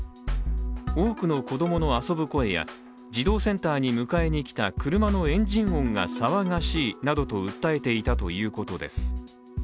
多くの子供の遊ぶ声や児童センターに迎えにきた車のエンジン音が騒がしいなどと訴えていたということです。